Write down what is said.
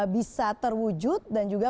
bisa terwujud dan juga